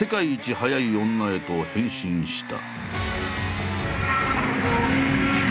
速い女へと変身した。